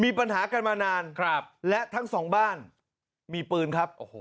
มีปัญหากันมานานครับและทั้งสองบ้านมีปืนครับโอ้โห